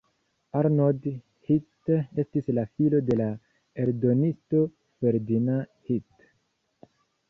Arnold Hirt estis la filo de la eldonisto Ferdinand Hirt.